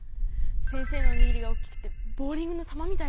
先生のおにぎりが大きくてボウリングの球みたいだった！